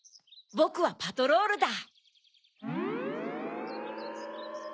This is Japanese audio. ボクはパトロールだ。